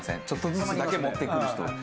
ちょっとずつだけ持ってくる人。